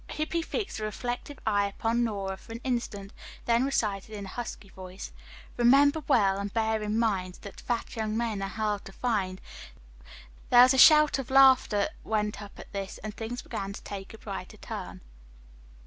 Hippy fixed a reflective eye upon Nora for an instant, then recited in a husky voice: "Remember well, and bear in mind, That fat young men are hard to find." There was a shout of laughter went up at this and things began to take a brighter turn.